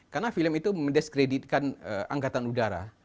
karena film itu mendiskreditkan angkatan udara